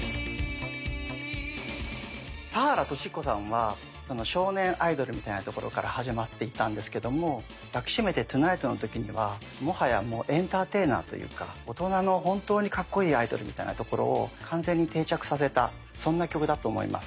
田原俊彦さんは少年アイドルみたいなところから始まっていったんですけども「抱きしめてＴＯＮＩＧＨＴ」の時にはもはやもうエンターテイナーというか大人の本当にカッコイイアイドルみたいなところを完全に定着させたそんな曲だと思います。